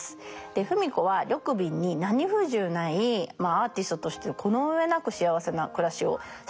芙美子は緑敏に何不自由ないアーティストとしてこの上なく幸せな暮らしをさせたのではないでしょうか。